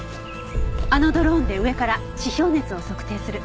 あのドローンで上から地表熱を測定する。